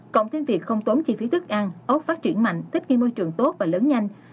cộng thêm việc không tốn chi phí thức ăn ốc phát triển mạnh thích nghi môi trường tốt và lớn nhanh